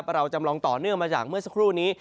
เราจำลองต่อเนื่องมาจากเมื่อสักครู่นี้